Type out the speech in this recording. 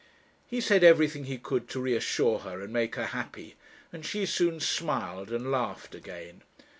He said everything he could to reassure her and make her happy, and she soon smiled and laughed again.